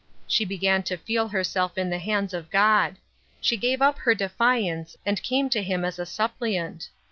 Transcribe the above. She began to feel herself in the hands of God. She gave ap her defiance, and came to him as a suppliant.